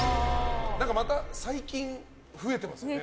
また最近増えてますよね